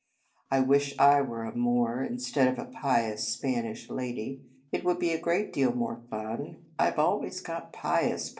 I wish I were a Moor instead of a pious Span ish lady. It would be a great deal more fun. I Ve always got pious parts."